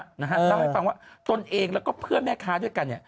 เล่าให้ฟังว่าตนเองแล้วก็เพื่อนแม่ค้าด้วยกัน